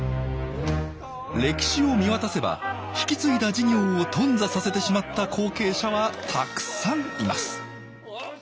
歴史を見渡せば引き継いだ事業を頓挫させてしまった後継者はたくさんいます。